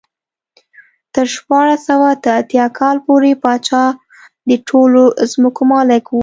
تر شپاړس سوه اته اتیا کال پورې پاچا د ټولو ځمکو مالک و.